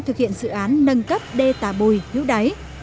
thực hiện dự án nâng cấp đê tà bùi hữu đáy